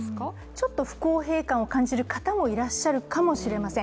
ちょっと不公平感を感じる方もいらっしゃるかもしれません。